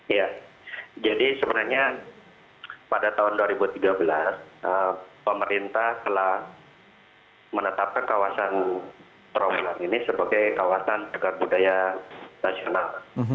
ya jadi sebenarnya pada tahun dua ribu tiga belas pemerintah telah menetapkan kawasan trawulan ini sebagai kawasan dekat budaya nasional